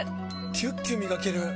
キュッキュ磨ける！